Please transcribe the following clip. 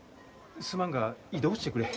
すまんが移動してくれ。